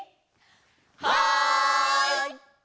はい！